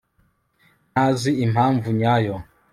Ntazi impamvu nyayo